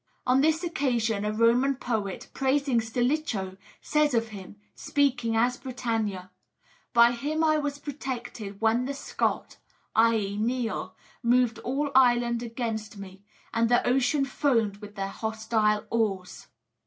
On this occasion a Roman poet, praising Stilicho, says of him speaking as Britannia: "By him was I protected when the Scot [i.e., Niall] moved all Ireland against me, and the ocean foamed with their hostile oars."